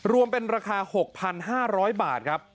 รวมเป็นราคา๖๕๐๐บาทครับ